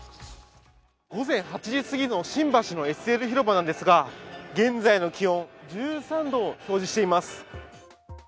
午前８時すぎの新橋のＳＬ広場なんですが、現在の気温、１３度を表示しています。